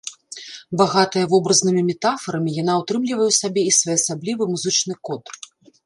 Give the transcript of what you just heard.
Багатая вобразнымі метафарамі, яна ўтрымлівае ў сабе і своеасаблівы музычны код.